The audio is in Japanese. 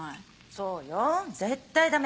そうよ絶対ダメ！